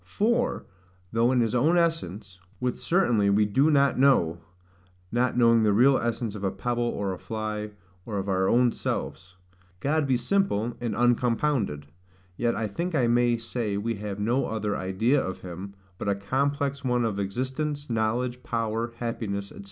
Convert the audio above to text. For, though in his own essence (which certainly we do not know, not knowing the real essence of a pebble, or a fly, or of our own selves) God be simple and uncompounded; yet I think I may say we have no other idea of him, but a complex one of existence, knowledge, power, happiness, &c.